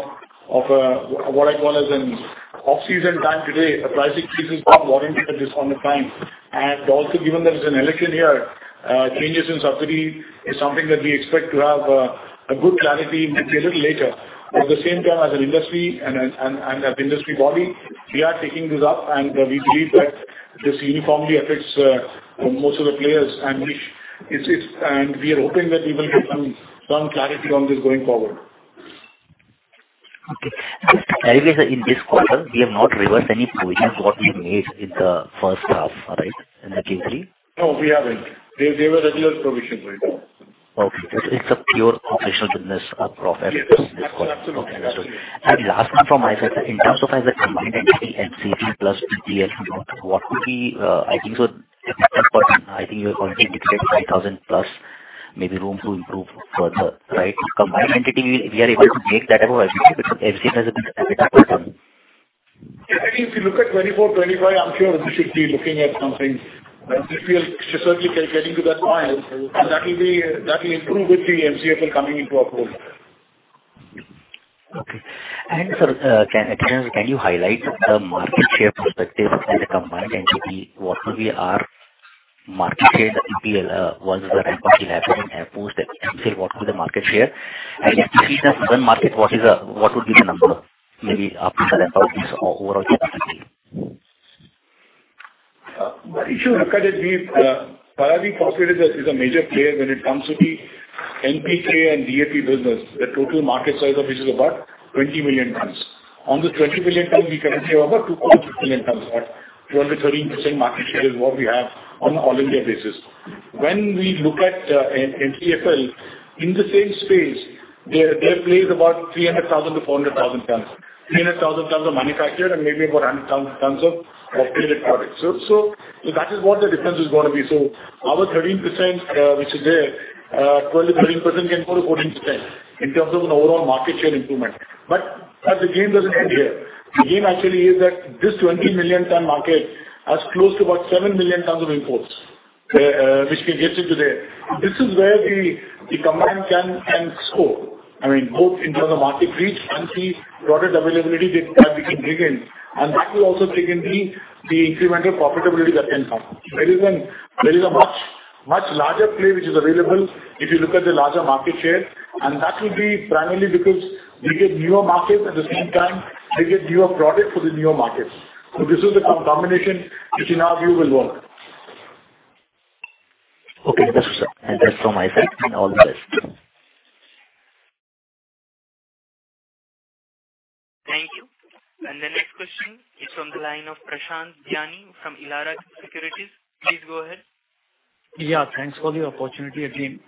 [SPEAKER 3] what I call as an off-season time today, a price increase is not warranted at this point of time. And also given that it's an election year, changes in subsidy is something that we expect to have a good clarity maybe a little later. At the same time, as an industry and as an industry body, we are taking this up, and we believe that this uniformly affects most of the players. We are hoping that we will get some clarity on this going forward.
[SPEAKER 12] Okay. Just to clarify, in this quarter, we have not reversed any provisions what we made in the first half, right, in the Q3?
[SPEAKER 3] No, we haven't. There were regular provisions right now.
[SPEAKER 12] Okay. It's a pure operational business profit this quarter.
[SPEAKER 3] Yes. Absolutely.
[SPEAKER 12] Okay. Understood. Last one from my side, in terms of as a combined entity, MCFL plus PPL, what could be I think so the EBITDA per ton I think you already indicated 5,000+, maybe room to improve further, right? Combined entity, we are able to make that of MCFL because MCFL has a good EBITDA per ton.
[SPEAKER 3] Yeah. I mean, if you look at 2024, 2025, I'm sure we should be looking at something. But we'll certainly get into that point, and that will improve with the MCFL coming into our fold.
[SPEAKER 12] Okay. Resham, can you highlight the market share perspective as a combined entity? What will be our market share that PPL once the ramp-out is happening and post MCFL, what will be the market share? And if you see the southern market, what would be the number maybe after the ramp-out overall capacity?
[SPEAKER 3] But if you look at it, Paradeep Phosphates is a major player when it comes to the NPK and DAP business, the total market size of which is about 20 million tons. On this 20 million tons, we currently have about 2.6 million tons, about 12%-13% market share is what we have on an all-India basis. When we look at MCFL, in the same space, they play about 300,000-400,000 tons, 300,000 tons of manufactured and maybe about 100,000 tons of imported products. So that is what the difference is going to be. So our 13% which is there, 12%-13% can go to 14% in terms of an overall market share improvement. But the game doesn't end here. The game actually is that this 20 million-ton market has close to about 7 million tons of imports which can get into there. This is where the combined can score. I mean, both in terms of market reach and the product availability that we can bring in. And that will also take in the incremental profitability that can come. There is a much larger play which is available if you look at the larger market share. And that will be primarily because we get newer markets. At the same time, we get newer product for the newer markets. So this is the combination which, in our view, will work.
[SPEAKER 12] Okay. Understood, sir. That's from my side. All the best.
[SPEAKER 1] Thank you. The next question is from the line of Prashant Biyani from Elara Capital. Please go ahead.
[SPEAKER 13] Yeah. Thanks for the opportunity again.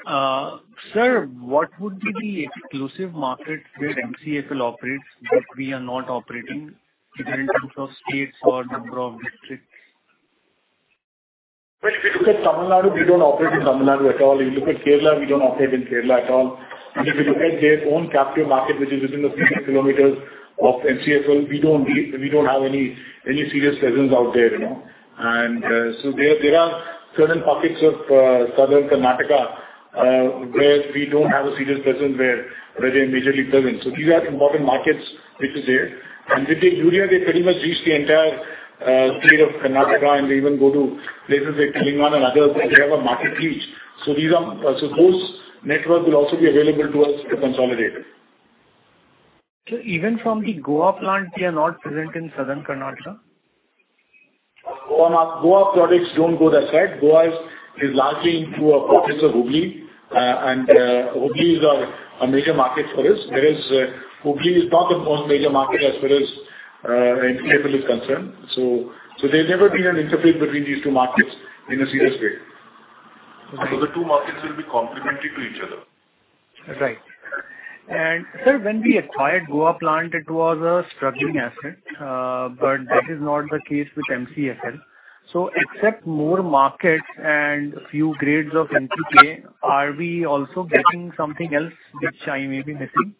[SPEAKER 13] Sir, what would be the exclusive market where MCFL operates that we are not operating either in terms of states or number of districts?
[SPEAKER 3] Well, if you look at Tamil Nadu, we don't operate in Tamil Nadu at all. If you look at Kerala, we don't operate in Kerala at all. And if you look at their own captive market which is within the 60 km of MCFL, we don't have any serious presence out there. And so there are certain pockets of southern Karnataka where we don't have a serious presence, where they're majorly present. So these are important markets which are there. And with the Urea, they pretty much reach the entire state of Karnataka. And they even go to places like Telangana and others. They have a market reach. So those networks will also be available to us to consolidate.
[SPEAKER 13] Even from the Goa plant, they are not present in southern Karnataka?
[SPEAKER 3] Goa products don't go that side. Goa is largely through a pocket of Hubli. Hubli is a major market for us. Hubli is not the most major market as far as MCFL is concerned. There's never been an interface between these two markets in a serious way. The two markets will be complementary to each other.
[SPEAKER 13] Right. And, sir, when we acquired Goa plant, it was a struggling asset. But that is not the case with MCFL. So except more markets and a few grades of NPK, are we also getting something else which I may be missing?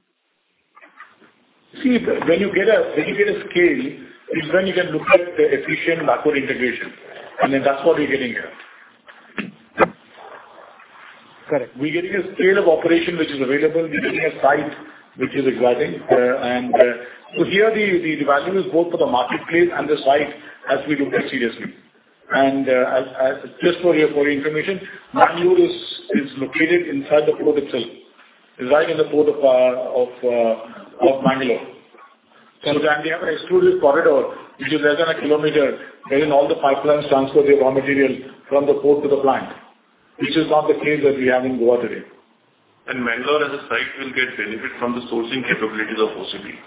[SPEAKER 3] See, when you get a scale, it's when you can look at the efficient macro integration. And then that's what we're getting here.
[SPEAKER 13] Correct.
[SPEAKER 3] We're getting a scale of operation which is available. We're getting a site which is exciting. And so here, the value is both for the marketplace and the site as we look at it seriously. And just for your information, Mangalore is located inside the port itself. It's right in the port of Mangalore. So then they have an exclusive corridor which is less than a kilometer wherein all the pipelines transport their raw material from the port to the plant, which is not the case that we have in Goa today.
[SPEAKER 6] Bangalore, as a site, will get benefit from the sourcing capabilities of OCP?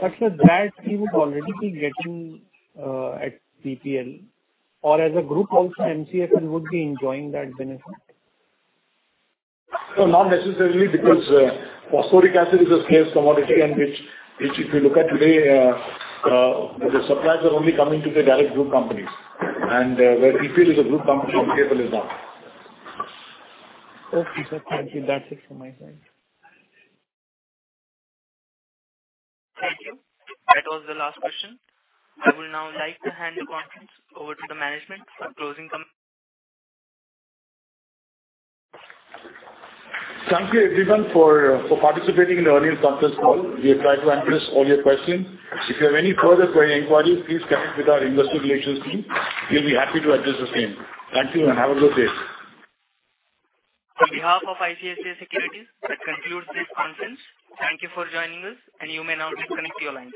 [SPEAKER 13] But, sir, that he would already be getting at PPL. Or as a group also, MCFL would be enjoying that benefit?
[SPEAKER 3] Not necessarily because phosphoric acid is a scarce commodity in which, if you look at today, the supplies are only coming to the direct group companies. Where PPL is a group company, MCFL is not.
[SPEAKER 13] Okay, sir. Thank you. That's it from my side.
[SPEAKER 1] Thank you. That was the last question. I would now like to hand the conference over to the management for closing comments.
[SPEAKER 3] Thank you, everyone, for participating in the earnings conference call. We have tried to answer all your questions. If you have any further queries or inquiries, please connect with our investor relations team. We'll be happy to address the same. Thank you, and have a good day.
[SPEAKER 1] On behalf of ICICI Securities, that concludes this conference. Thank you for joining us. You may now disconnect your line.